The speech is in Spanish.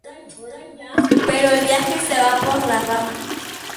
Pero el viaje se va por las ramas.